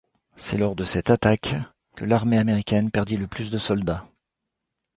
C’est lors de cette attaque que l’armée américaine perdit le plus de soldats.